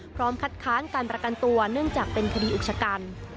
พร้อมคัดค้านการประกันตัวเนื่องจากเป็นคดีอุกชกัน